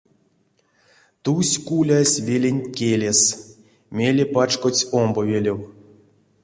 Тусь кулясь веленть келес, мейле пачкодсь омбо велев.